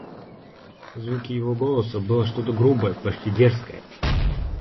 В звуке его голоса было что-то грубое, почти дерзкое.